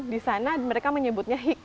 di sana mereka menyebutnya hik